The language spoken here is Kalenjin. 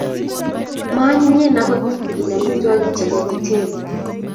Maanyinyen agot kitigen amitwogik che kaititen